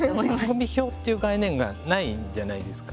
番組表っていう概念がないんじゃないですか。